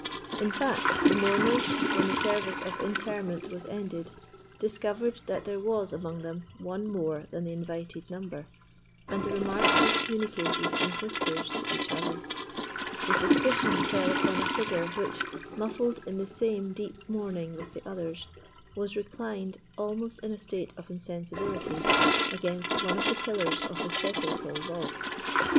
In fact, the mourners, when the service of interment was ended, discovered that there was among them one more than the invited number, and the remark was communicated in whispers to each other. The suspicion fell upon a figure which, muffled in the same deep mourning with the others, was reclined, almost in a state of insensibility, against one of the pillars of the sepulchral vault.